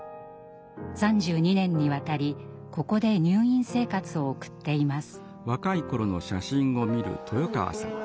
３２年にわたりここで入院生活を送っています。